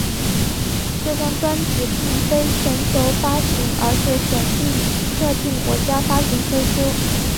这张专辑并非全球发行而是选定特定国家发行推出。